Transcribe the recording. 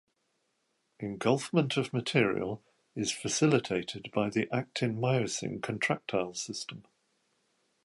Engulfment of material is facilitated by the actin-myosin contractile system.